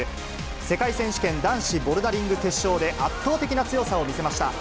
世界選手権男子ボルダリング決勝で圧倒的な強さを見せました。